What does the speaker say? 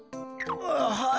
はい。